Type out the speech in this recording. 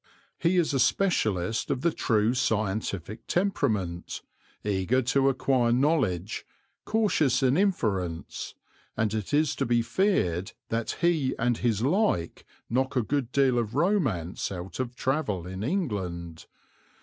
He is a specialist of the true scientific temperament, eager to acquire knowledge, cautious in inference, and it is to be feared that he and his like knock a good deal of romance out of travel in England.